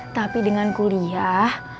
tapi dengan kuliah